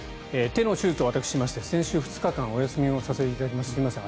手の手術を私、しまして先週２日間お休みを頂きましてすいません。